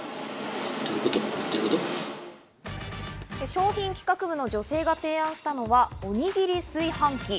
商品企画部の女性が提案したのはおにぎり炊飯器。